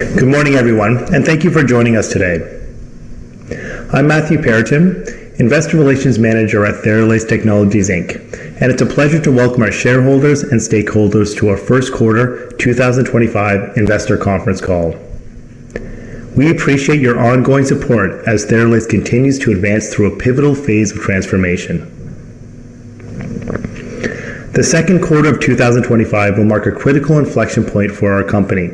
Good morning, everyone, and thank you for joining us today. I'm Matthew Perraton, Investor Relations Manager at Theralase Technologies, and it's a pleasure to welcome our shareholders and stakeholders to our first quarter 2025 Investor Conference call. We appreciate your ongoing support as Theralase continues to advance through a pivotal phase of transformation. The second quarter of 2025 will mark a critical inflection point for our company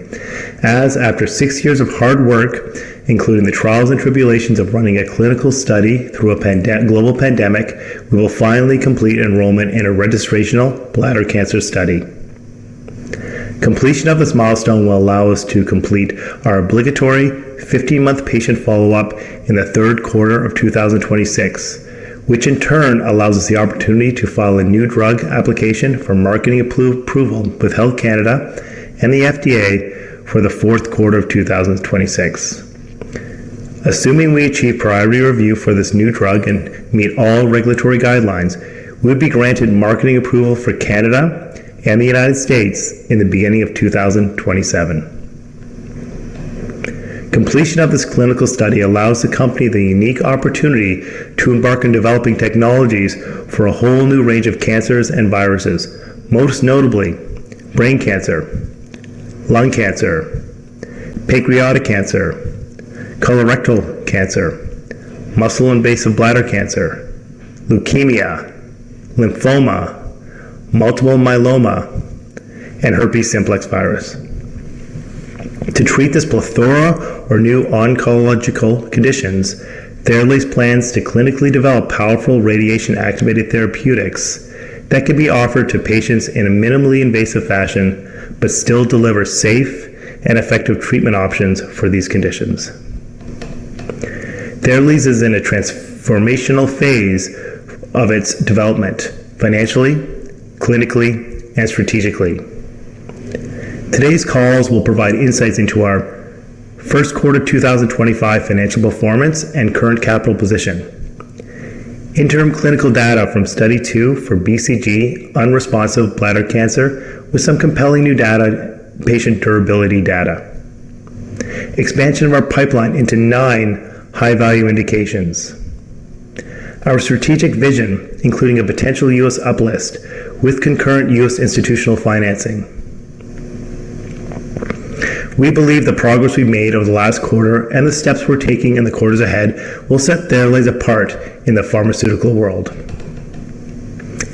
as, after six years of hard work, including the trials and tribulations of running a clinical study through a global pandemic, we will finally complete enrollment in a registrational bladder cancer study. Completion of this milestone will allow us to complete our obligatory 15-month patient follow-up in the third quarter of 2026, which in turn allows us the opportunity to file a new drug application for marketing approval with Health Canada and the FDA for the fourth quarter of 2026. Assuming we achieve priority review for this new drug and meet all regulatory guidelines, we would be granted marketing approval for Canada and the U.S. in the beginning of 2027. Completion of this clinical study allows the company the unique opportunity to embark on developing technologies for a whole new range of cancers and viruses, most notably brain cancer, lung cancer, pancreatic cancer, colorectal cancer, muscle-invasive bladder cancer, leukemia, lymphoma, multiple myeloma, and herpes simplex virus. To treat this plethora of new oncological conditions, Theralase plans to clinically develop powerful radiation-activated therapeutics that can be offered to patients in a minimally invasive fashion but still deliver safe and effective treatment options for these conditions. Theralase is in a transformational phase of its development financially, clinically, and strategically. Today's call will provide insights into our first quarter 2025 financial performance and current capital position, interim clinical data from study two for BCG unresponsive bladder cancer with some compelling new data and patient durability data, and the expansion of our pipeline into nine high-value indications, our strategic vision, including a potential U.S. uplist with concurrent U.S. institutional financing. We believe the progress we've made over the last quarter and the steps we're taking in the quarters ahead will set Theralase apart in the pharmaceutical world.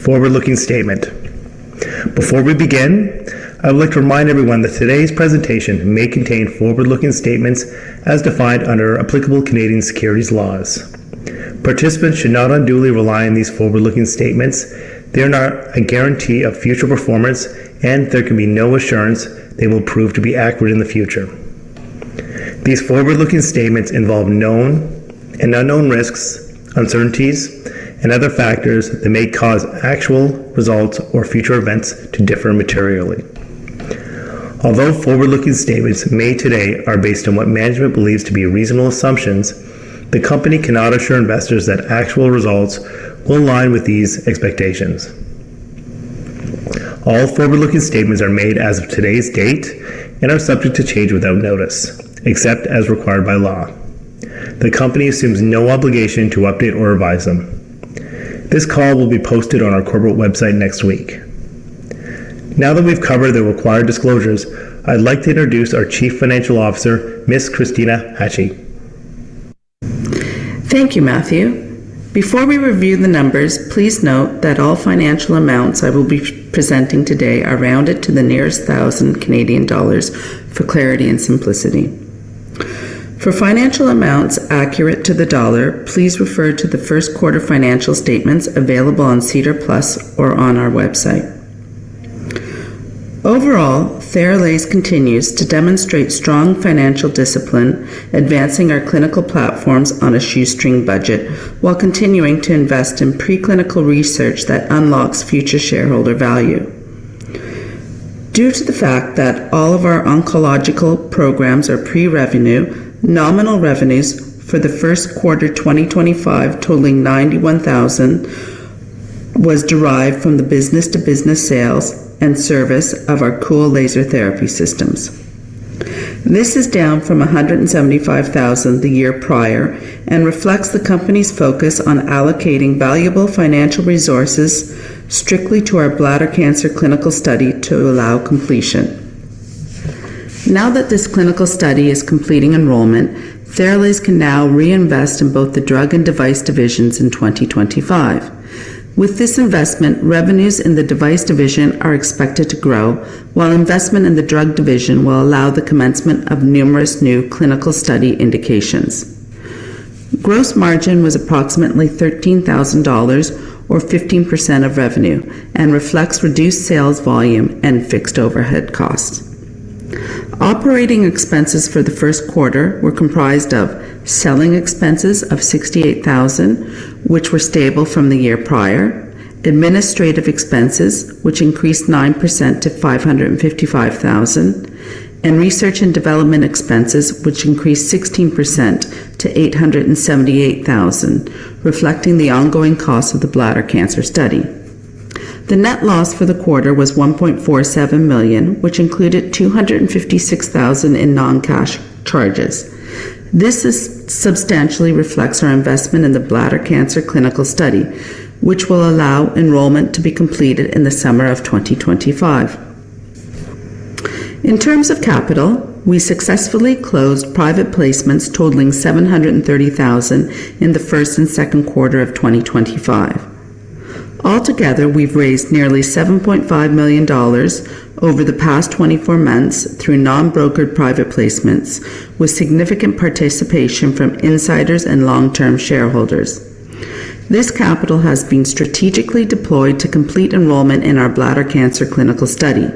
Forward-looking statement. Before we begin, I would like to remind everyone that today's presentation may contain forward-looking statements as defined under applicable Canadian securities laws. Participants should not unduly rely on these forward-looking statements. They are not a guarantee of future performance, and there can be no assurance they will prove to be accurate in the future. These forward-looking statements involve known and unknown risks, uncertainties, and other factors that may cause actual results or future events to differ materially. Although forward-looking statements made today are based on what management believes to be reasonable assumptions, the company cannot assure investors that actual results will align with these expectations. All forward-looking statements are made as of today's date and are subject to change without notice, except as required by law. The company assumes no obligation to update or revise them. This call will be posted on our corporate website next week. Now that we've covered the required disclosures, I'd like to introduce our Chief Financial Officer, Ms. Kristina Hachey. Thank you, Matthew. Before we review the numbers, please note that all financial amounts I will be presenting today are rounded to the nearest thousand CAD for clarity and simplicity. For financial amounts accurate to the dollar, please refer to the first quarter financial statements available on SEDAR Plus or on our website. Overall, Theralase continues to demonstrate strong financial discipline, advancing our clinical platforms on a shoestring budget while continuing to invest in preclinical research that unlocks future shareholder value. Due to the fact that all of our oncological programs are pre-revenue, nominal revenues for the first quarter 2025, totaling 91,000, were derived from the business-to-business sales and service of our Cool Laser Therapy systems. This is down from 175,000 the year prior and reflects the company's focus on allocating valuable financial resources strictly to our bladder cancer clinical study to allow completion. Now that this clinical study is completing enrollment, Theralase can now reinvest in both the drug and device divisions in 2025. With this investment, revenues in the device division are expected to grow, while investment in the drug division will allow the commencement of numerous new clinical study indications. Gross margin was approximately 13,000 dollars or 15% of revenue and reflects reduced sales volume and fixed overhead costs. Operating expenses for the first quarter were comprised of selling expenses of 68,000, which were stable from the year prior, administrative expenses, which increased 9% to 555,000, and research and development expenses, which increased 16% to 878,000, reflecting the ongoing costs of the bladder cancer study. The net loss for the quarter was 1.47 million, which included 256,000 in non-cash charges. This substantially reflects our investment in the bladder cancer clinical study, which will allow enrollment to be completed in the summer of 2025. In terms of capital, we successfully closed private placements totaling 730,000 in the first and second quarter of 2025. Altogether, we've raised nearly 7.5 million dollars over the past 24 months through non-brokered private placements with significant participation from insiders and long-term shareholders. This capital has been strategically deployed to complete enrollment in our bladder cancer clinical study.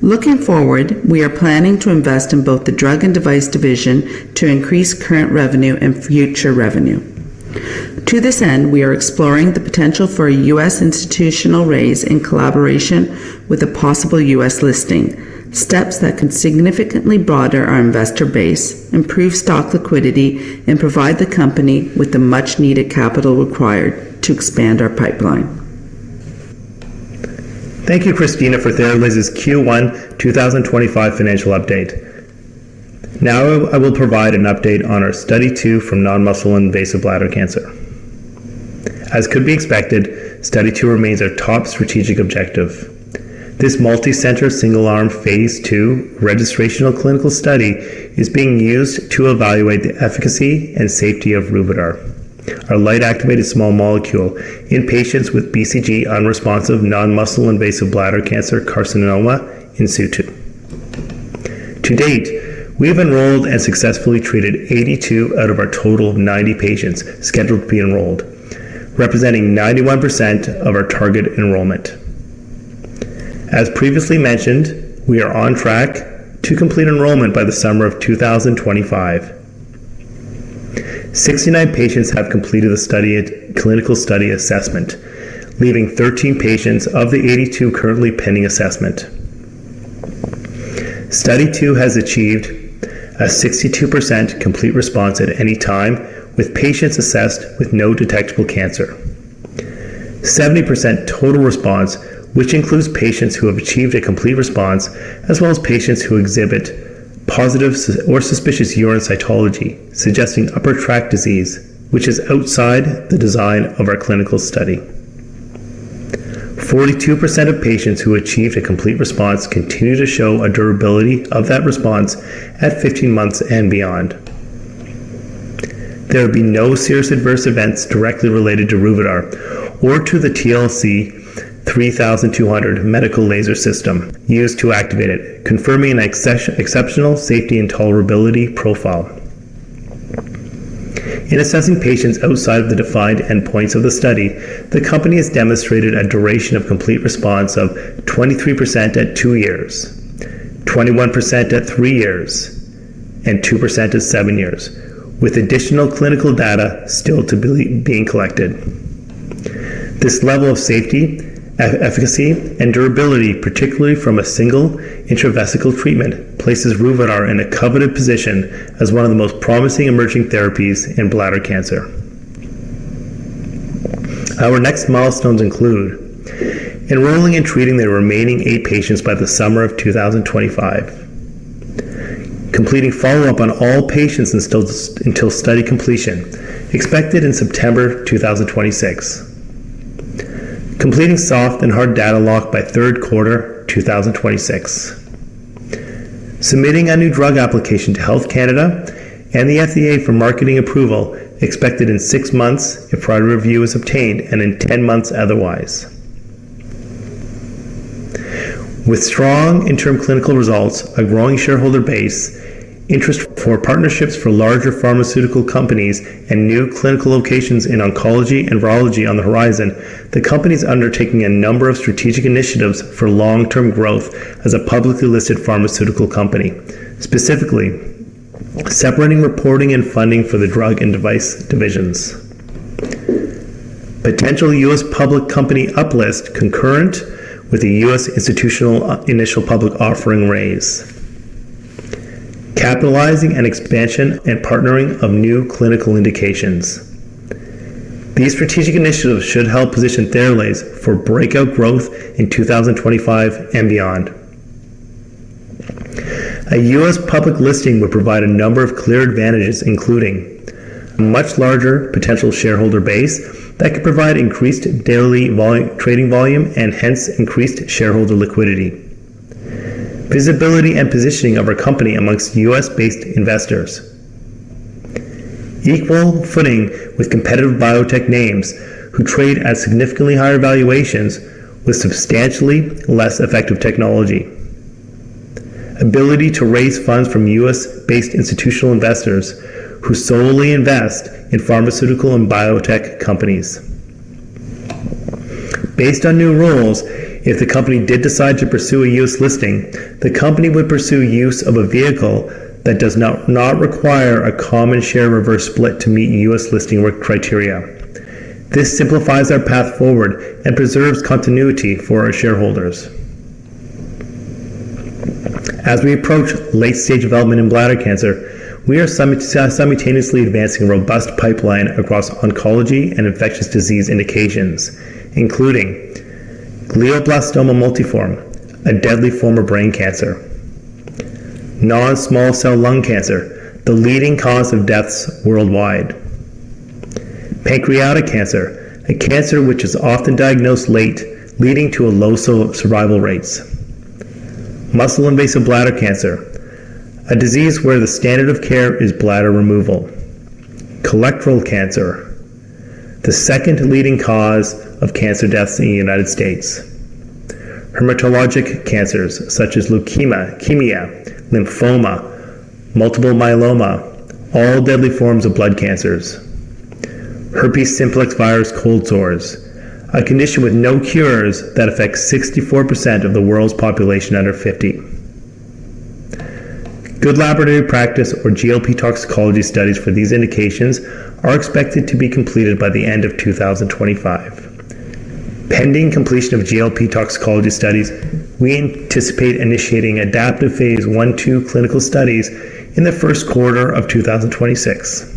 Looking forward, we are planning to invest in both the drug and device division to increase current revenue and future revenue. To this end, we are exploring the potential for a U.S. institutional raise in collaboration with a possible U.S. listing, steps that can significantly broaden our investor base, improve stock liquidity, and provide the company with the much-needed capital required to expand our pipeline. Thank you, Kristina, for Theralase's Q1 2025 financial update. Now I will provide an update on our study two from non-muscle-invasive bladder cancer. As could be expected, study two remains our top strategic objective. This multicenter single-arm phase two registrational clinical study is being used to evaluate the efficacy and safety of Ruvidar, our light-activated small molecule, in patients with BCG unresponsive non-muscle-invasive bladder cancer carcinoma in situ. To date, we have enrolled and successfully treated 82 out of our total 90 patients scheduled to be enrolled, representing 91% of our target enrollment. As previously mentioned, we are on track to complete enrollment by the summer of 2025. 69 patients have completed the clinical study assessment, leaving 13 patients of the 82 currently pending assessment. Study two has achieved a 62% complete response at any time with patients assessed with no detectable cancer, 70% total response, which includes patients who have achieved a complete response, as well as patients who exhibit positive or suspicious urine cytology suggesting upper tract disease, which is outside the design of our clinical study. 42% of patients who achieved a complete response continue to show a durability of that response at 15 months and beyond. There have been no serious adverse events directly related to Ruvidar or to the TLC-3200 medical laser system used to activate it, confirming an exceptional safety and tolerability profile. In assessing patients outside of the defined endpoints of the study, the company has demonstrated a duration of complete response of 23% at two years, 21% at three years, and 2% at seven years, with additional clinical data still to be collected. This level of safety, efficacy, and durability, particularly from a single intravesical treatment, places Ruvidar in a coveted position as one of the most promising emerging therapies in bladder cancer. Our next milestones include enrolling and treating the remaining eight patients by the summer of 2025, completing follow-up on all patients until study completion, expected in September 2026, completing soft and hard data lock by third quarter 2026, submitting a new drug application to Health Canada and the FDA for marketing approval, expected in six months if priority review is obtained and in 10 months otherwise. With strong interim clinical results, a growing shareholder base, interest for partnerships for larger pharmaceutical companies, and new clinical locations in oncology and virology on the horizon, the company is undertaking a number of strategic initiatives for long-term growth as a publicly listed pharmaceutical company, specifically separating reporting and funding for the drug and device divisions, potential U.S. public company uplist concurrent with a U.S. institutional initial public offering raise, capitalizing on expansion and partnering of new clinical indications. These strategic initiatives should help position Theralase for breakout growth in 2025 and beyond. A U.S. Public listing would provide a number of clear advantages, including a much larger potential shareholder base that could provide increased daily trading volume and hence increased shareholder liquidity, visibility and positioning of our company amongst U.S.-based investors, equal footing with competitive biotech names who trade at significantly higher valuations with substantially less effective technology, ability to raise funds from U.S.-based institutional investors who solely invest in pharmaceutical and biotech companies. Based on new rules, if the company did decide to pursue a U.S. listing, the company would pursue use of a vehicle that does not require a common share reverse split to meet U.S. listing criteria. This simplifies our path forward and preserves continuity for our shareholders. As we approach late-stage development in bladder cancer, we are simultaneously advancing a robust pipeline across oncology and infectious disease indications, including glioblastoma multiforme, a deadly form of brain cancer, non-small cell lung cancer, the leading cause of deaths worldwide, pancreatic cancer, a cancer which is often diagnosed late, leading to low survival rates, muscle-invasive bladder cancer, a disease where the standard of care is bladder removal, colorectal cancer, the second leading cause of cancer deaths in the United States, hematologic cancers such as leukemia, lymphoma, multiple myeloma, all deadly forms of blood cancers, herpes simplex virus cold sores, a condition with no cures that affects 64% of the world's population under 50. Good Laboratory Practice or GLP toxicology studies for these indications are expected to be completed by the end of 2025. Pending completion of GLP toxicology studies, we anticipate initiating adaptive phase one to clinical studies in the first quarter of 2026.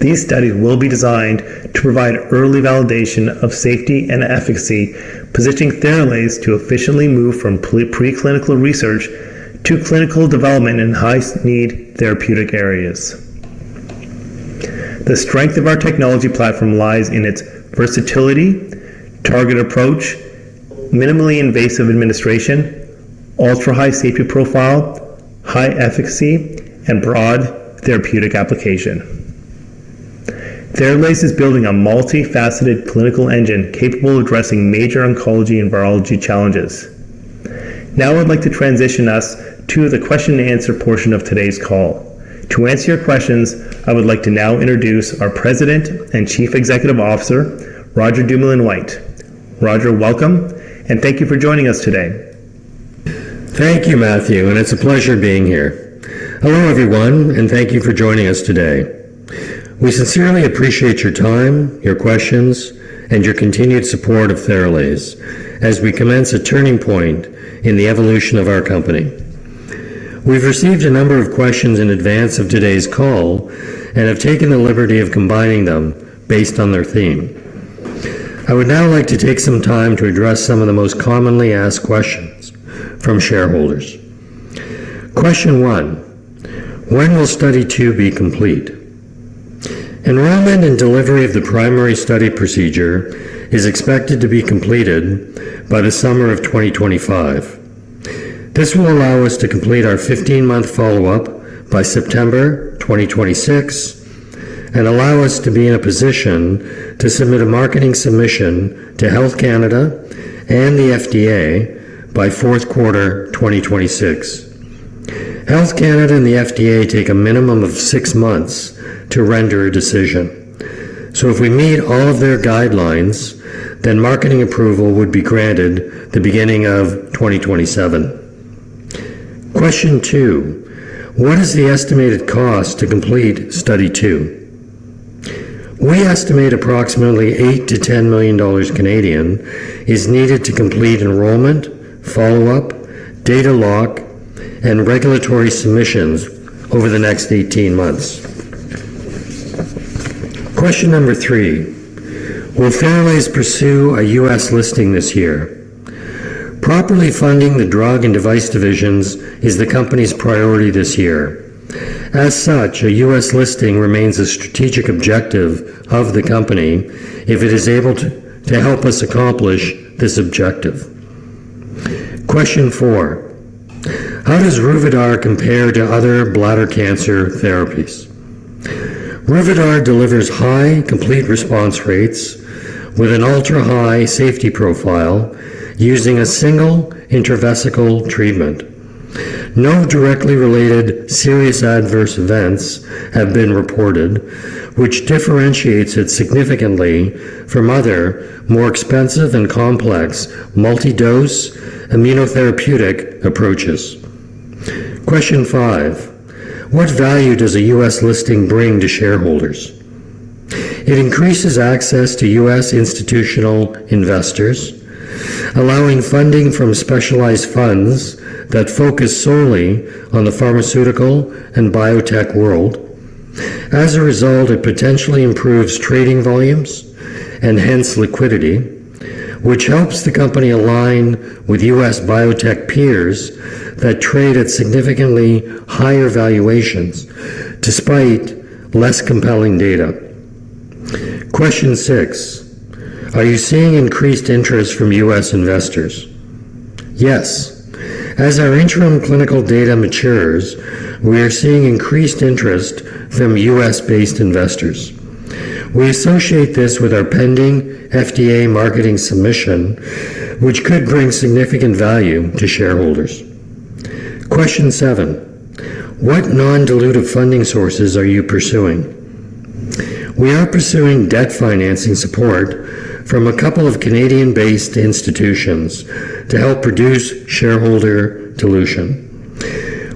These studies will be designed to provide early validation of safety and efficacy, positioning Theralase to efficiently move from preclinical research to clinical development in high-need therapeutic areas. The strength of our technology platform lies in its versatility, target approach, minimally invasive administration, ultra-high safety profile, high efficacy, and broad therapeutic application. Theralase is building a multifaceted clinical engine capable of addressing major oncology and virology challenges. Now I'd like to transition us to the question-and-answer portion of today's call. To answer your questions, I would like to now introduce our President and Chief Executive Officer, Roger Dumoulin-White. Roger, welcome, and thank you for joining us today. Thank you, Matthew, and it's a pleasure being here. Hello everyone, and thank you for joining us today. We sincerely appreciate your time, your questions, and your continued support of Theralase as we commence a turning point in the evolution of our company. We've received a number of questions in advance of today's call and have taken the liberty of combining them based on their theme. I would now like to take some time to address some of the most commonly asked questions from shareholders. Question one: When will study two be complete? Enrollment and delivery of the primary study procedure is expected to be completed by the summer of 2025. This will allow us to complete our 15-month follow-up by September 2026 and allow us to be in a position to submit a marketing submission to Health Canada and the FDA by fourth quarter 2026. Health Canada and the FDA take a minimum of six months to render a decision. If we meet all of their guidelines, then marketing approval would be granted the beginning of 2027. Question two: What is the estimated cost to complete study two? We estimate approximately 8 million-10 million Canadian dollars is needed to complete enrollment, follow-up, data lock, and regulatory submissions over the next 18 months. Question number three: Will Theralase pursue a U.S. listing this year? Properly funding the drug and device divisions is the company's priority this year. As such, a U.S. listing remains a strategic objective of the company if it is able to help us accomplish this objective. Question four: How does Ruvidar compare to other bladder cancer therapies? Ruvidar delivers high complete response rates with an ultra-high safety profile using a single intravesical treatment. No directly related serious adverse events have been reported, which differentiates it significantly from other more expensive and complex multi-dose immunotherapeutic approaches. Question five: What value does a U.S. listing bring to shareholders? It increases access to U.S. institutional investors, allowing funding from specialized funds that focus solely on the pharmaceutical and biotech world. As a result, it potentially improves trading volumes and hence liquidity, which helps the company align with U.S. biotech peers that trade at significantly higher valuations despite less compelling data. Question six: Are you seeing increased interest from U.S. investors? Yes. As our interim clinical data matures, we are seeing increased interest from U.S.-based investors. We associate this with our pending FDA marketing submission, which could bring significant value to shareholders. Question seven: What non-dilutive funding sources are you pursuing? We are pursuing debt financing support from a couple of Canadian-based institutions to help reduce shareholder dilution.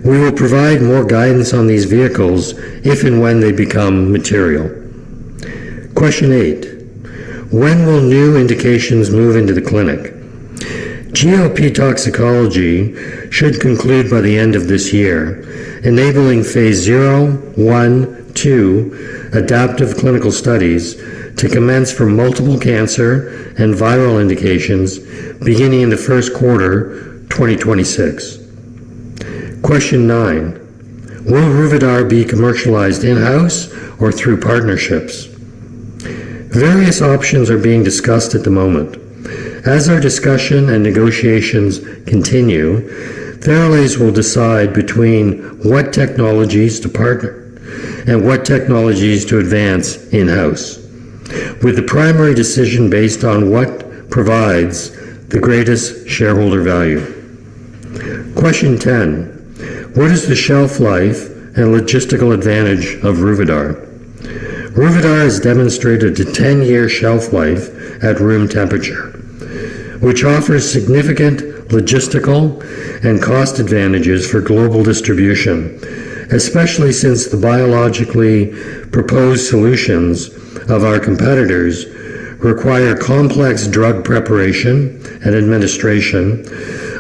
We will provide more guidance on these vehicles if and when they become material. Question eight: When will new indications move into the clinic? GLP toxicology should conclude by the end of this year, enabling phase zero, one, two adaptive clinical studies to commence for multiple cancer and viral indications beginning in the first quarter 2026. Question nine: Will Ruvidar be commercialized in-house or through partnerships? Various options are being discussed at the moment. As our discussion and negotiations continue, Theralase will decide between what technologies to partner and what technologies to advance in-house, with the primary decision based on what provides the greatest shareholder value. Question 10: What is the shelf life and logistical advantage of Ruvidar? Ruvidar has demonstrated a 10-year shelf life at room temperature, which offers significant logistical and cost advantages for global distribution, especially since the biologically proposed solutions of our competitors require complex drug preparation and administration,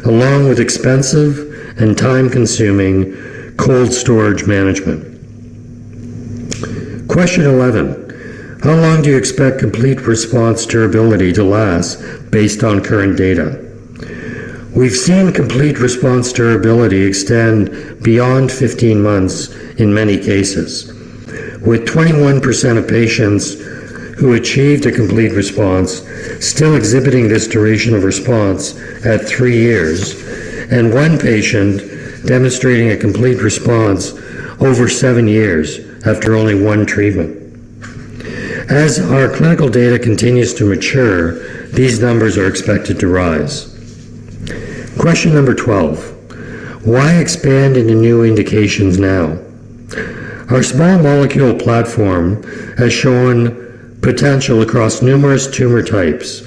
along with expensive and time-consuming cold storage management. Question 11: How long do you expect complete response durability to last based on current data? We've seen complete response durability extend beyond 15 months in many cases, with 21% of patients who achieved a complete response still exhibiting this duration of response at three years and one patient demonstrating a complete response over seven years after only one treatment. As our clinical data continues to mature, these numbers are expected to rise. Question number 12: Why expand into new indications now? Our small molecule platform has shown potential across numerous tumor types.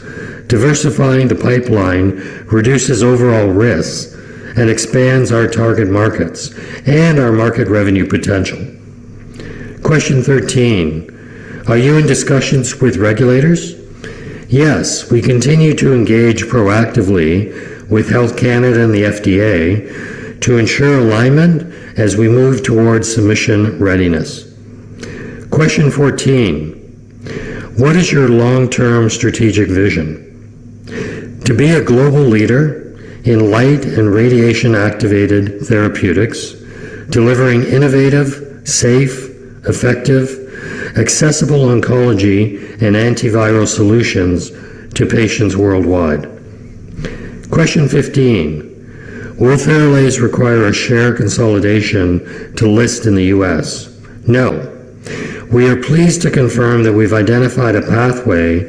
Diversifying the pipeline reduces overall risks and expands our target markets and our market revenue potential. Question 13: Are you in discussions with regulators? Yes. We continue to engage proactively with Health Canada and the FDA to ensure alignment as we move towards submission readiness. Question 14: What is your long-term strategic vision? To be a global leader in light and radiation-activated therapeutics, delivering innovative, safe, effective, accessible oncology and antiviral solutions to patients worldwide. Question 15: Will Theralase require a share consolidation to list in the U.S.? No. We are pleased to confirm that we've identified a pathway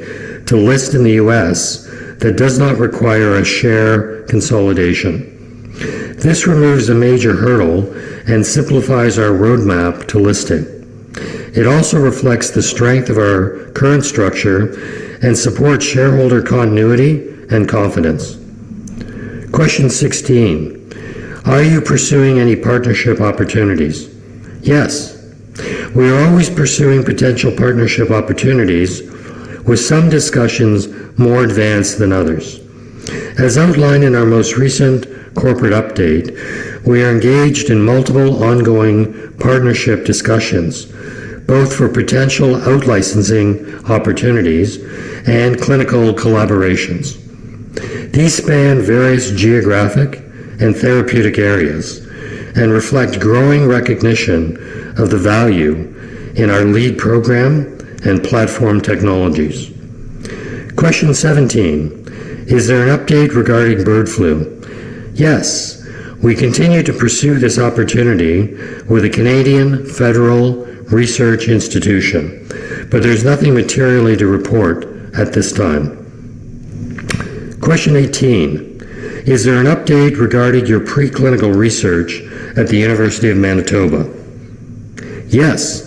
to list in the U.S. that does not require a share consolidation. This removes a major hurdle and simplifies our roadmap to listing. It also reflects the strength of our current structure and supports shareholder continuity and confidence. Question 16: Are you pursuing any partnership opportunities? Yes. We are always pursuing potential partnership opportunities, with some discussions more advanced than others. As outlined in our most recent corporate update, we are engaged in multiple ongoing partnership discussions, both for potential outlicensing opportunities and clinical collaborations. These span various geographic and therapeutic areas and reflect growing recognition of the value in our lead program and platform technologies. Question 17: Is there an update regarding bird flu? Yes. We continue to pursue this opportunity with a Canadian federal research institution, but there is nothing materially to report at this time. Question 18: Is there an update regarding your preclinical research at the University of Manitoba? Yes.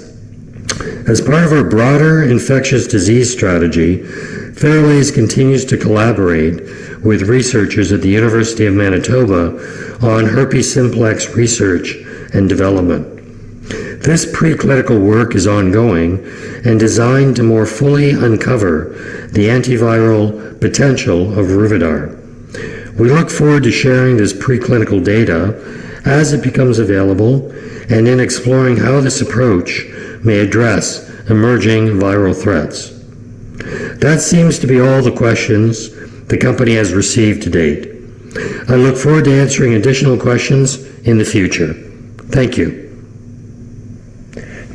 As part of our broader infectious disease strategy, Theralase continues to collaborate with researchers at the University of Manitoba on herpes simplex research and development. This preclinical work is ongoing and designed to more fully uncover the antiviral potential of Ruvidar. We look forward to sharing this preclinical data as it becomes available and in exploring how this approach may address emerging viral threats. That seems to be all the questions the company has received to date. I look forward to answering additional questions in the future. Thank you.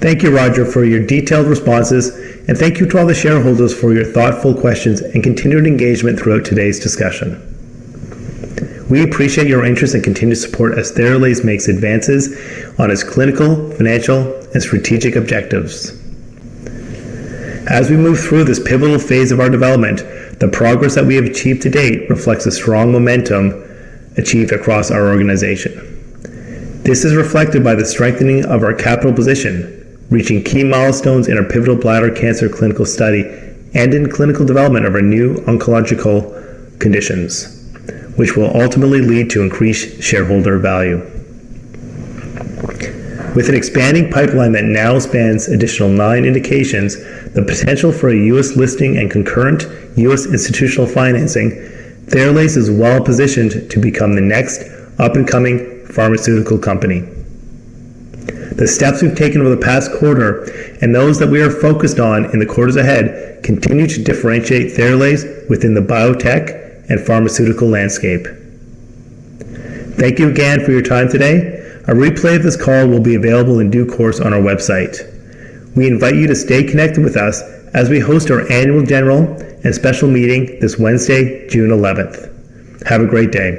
Thank you, Roger, for your detailed responses, and thank you to all the shareholders for your thoughtful questions and continued engagement throughout today's discussion. We appreciate your interest and continued support as Theralase makes advances on its clinical, financial, and strategic objectives. As we move through this pivotal phase of our development, the progress that we have achieved to date reflects a strong momentum achieved across our organization. This is reflected by the strengthening of our capital position, reaching key milestones in our pivotal bladder cancer clinical study and in clinical development of our new oncological conditions, which will ultimately lead to increased shareholder value. With an expanding pipeline that now spans an additional nine indications, the potential for a U.S. listing and concurrent U.S. institutional financing, Theralase is well positioned to become the next up-and-coming pharmaceutical company. The steps we've taken over the past quarter and those that we are focused on in the quarters ahead continue to differentiate Theralase within the biotech and pharmaceutical landscape. Thank you again for your time today. A replay of this call will be available in due course on our website. We invite you to stay connected with us as we host our annual general and special meeting this Wednesday, June 11th. Have a great day.